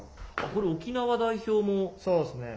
これ、沖縄代表も。